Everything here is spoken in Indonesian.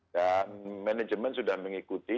nah manajemen sudah mengikuti